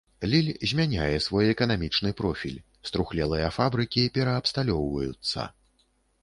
Ліль змяняе свой эканамічны профіль, струхлелыя фабрыкі пераабсталёўваюцца.